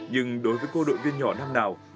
nhưng đối với cô đội viên nhỏ năm nào